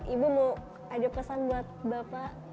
ibu mau ada pesan buat bapak